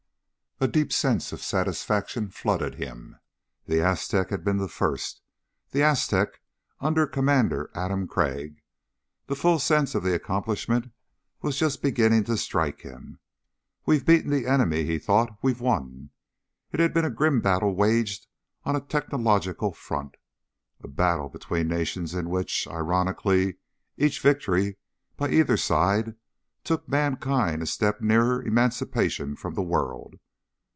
A deep sense of satisfaction flooded him. The Aztec had been the first. The Aztec under Commander Adam Crag. The full sense of the accomplishment was just beginning to strike him. We've beaten the enemy, he thought. We've won. It had been a grim battle waged on a technological front; a battle between nations in which, ironically, each victory by either side took mankind a step nearer emancipation from the world.